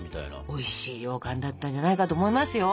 おいしいようかんだったんじゃないかと思いますよ。